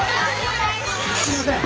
すいません。